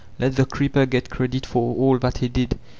Lei diw* creeper get credit for all that he did.